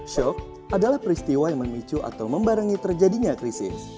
shock adalah peristiwa yang memicu atau membarengi terjadinya krisis